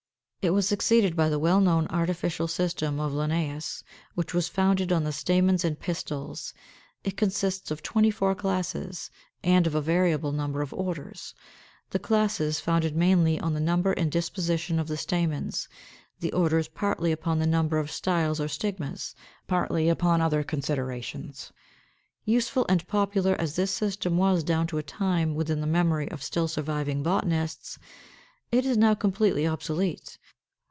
It was succeeded by the well known 549. =Artificial System of Linnæus=, which was founded on the stamens and pistils. It consists of twenty four classes, and of a variable number of orders; the classes founded mainly on the number and disposition of the stamens; the orders partly upon the number of styles or stigmas, partly upon other considerations. Useful and popular as this system was down to a time within the memory of still surviving botanists, it is now completely obsolete.